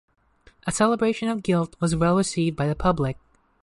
"A Celebration of Guilt" was well received by the public.